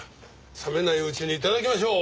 冷めないうちに頂きましょう！